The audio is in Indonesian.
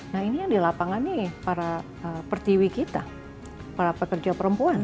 nah ini yang di lapangan nih para pertiwi kita para pekerja perempuan